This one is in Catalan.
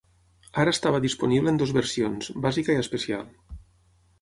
Ara estava disponible en dues versiones: bàsica i especial.